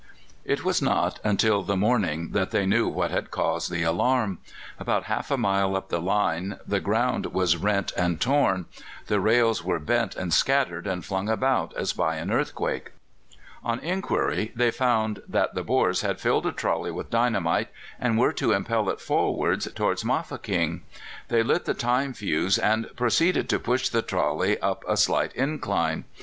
It was not until the morning that they knew what had caused the alarm. About half a mile up the line the ground was rent and torn; the rails were bent and scattered and flung about as by an earthquake. On inquiry, they found that the Boers had filled a trolley with dynamite, and were to impel it forwards towards Mafeking. They lit the time fuse, and proceeded to push the trolley up a slight incline.